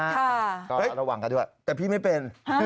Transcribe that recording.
ก็ระวังกันด้วยแต่พี่ไม่เป็น